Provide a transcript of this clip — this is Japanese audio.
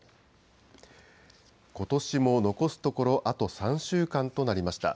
ことしも残すところあと３週間となりました。